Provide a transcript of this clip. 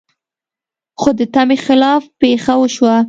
خو د تمې خلاف پېښه وشوه.